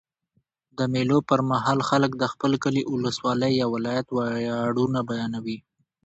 د مېلو پر مهال خلک د خپل کلي، اولسوالۍ یا ولایت ویاړونه بیانوي.